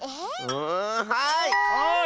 うんはい！